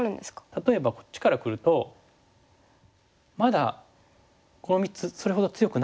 例えばこっちからくるとまだこの３つそれほど強くないんです。